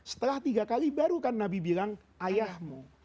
setelah tiga kali baru kan nabi bilang ayahmu